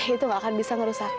itu gak akan bisa ngerusak